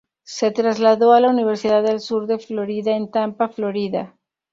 Se trasladó a la Universidad del Sur de Florida en Tampa, Florida.